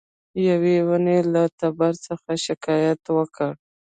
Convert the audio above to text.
یوې ونې له تبر څخه شکایت وکړ.